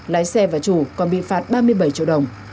lái xe và chủ còn bị phạt ba mươi bảy triệu đồng